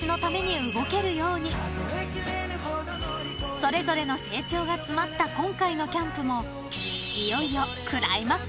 ［それぞれの成長が詰まった今回のキャンプも］